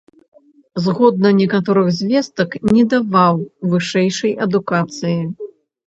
Згодна некаторых звестак, не даваў вышэйшай адукацыі.